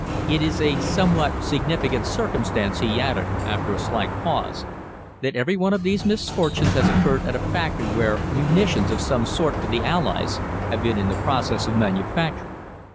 It is a somewhat significant circumstance," he added, after a slight pause, "that every one of these misfortunes has occurred at a factory where munitions of some sort for the Allies have been in process of manufacture.